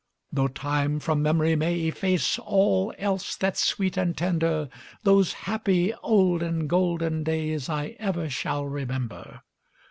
CHORUS: Tho' time from mem'ry may efface All else that's sweet and tender, Those happy olden, golden days I ever shall remember.